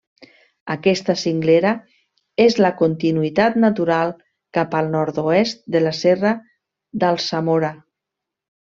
Aquesta cinglera és la continuïtat natural cap al nord-oest de la Serra d'Alsamora.